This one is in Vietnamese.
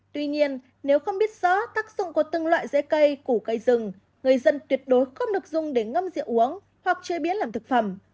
tuy nhiên nếu không biết rõ tác dụng của từng loại rễ cây củ cây rừng người dân tuyệt đối không được dùng để ngâm rượu uống hoặc chế biến làm thực phẩm